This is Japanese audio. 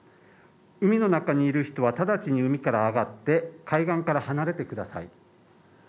海の中にいる人は直ちに海から上がって海岸から離れてください。